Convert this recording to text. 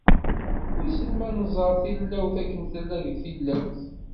Wissen ma nẓerr tilawt akken tella deg tilawt?